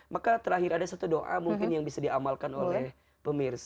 maka terakhir ada satu doa mungkin yang bisa diamalkan oleh pemirsa